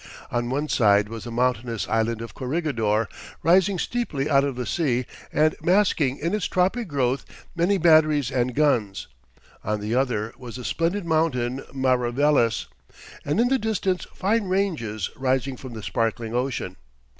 On one side was the mountainous island of Corregidor, rising steeply out of the sea and masking in its tropic growth many batteries and guns, on the other was the splendid mountain, Mariveles, and in the distance fine ranges rising from the sparkling ocean.